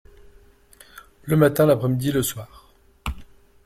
Le matin, l’après-midi, le soir.